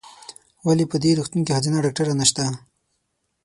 ولې په دي روغتون کې ښځېنه ډاکټره نشته ؟